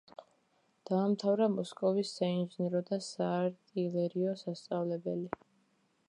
დაამთავრა მოსკოვის საინჟინრო და საარტილერიო სასწავლებელი.